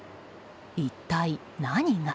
一体何が。